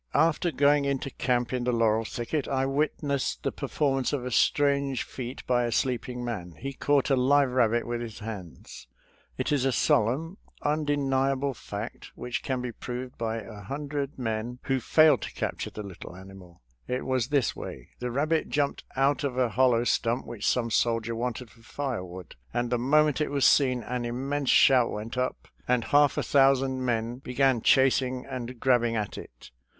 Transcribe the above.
After going into camp in the laurel thicket I witnessed the performance of a strange feat by a sleeping man — ^he caught a live rabbit with his hands. It is a solemn, un deniable fact which can be proved by a hundred men who failed to capture the little animal. It was this way : The rabbit jumped out of a hol low stump which some soldier wanted for fire wood, and the moment it was seen an immense shout went up and half a thousand men began chasing and grabbing at it.